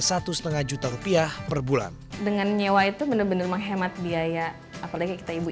satu setengah juta rupiah perbulan dengan nyewa itu bener bener menghemat biaya apalagi kita ibu